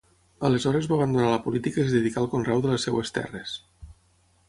Aleshores va abandonar la política i es dedicà al conreu de les seves terres.